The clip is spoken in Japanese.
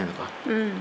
うん。